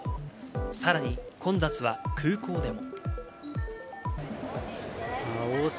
さらに混雑は空港でも。